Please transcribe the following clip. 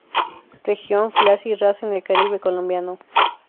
Región, clase y raza en el Caribe colombiano.